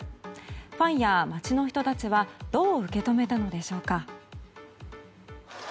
ファンや街の人たちはどう受け止めたのでしょうか。